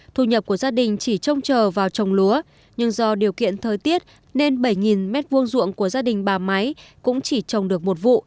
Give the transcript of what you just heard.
thu nhập của gia đình chỉ trông chờ vào trồng lúa nhưng do điều kiện thời tiết nên bảy m hai ruộng của gia đình bà máy cũng chỉ trồng được một vụ